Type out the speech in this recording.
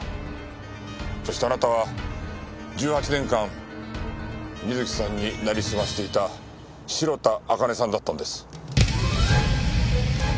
そしてあなたは１８年間瑞希さんになりすましていた白田朱音さんだったんです。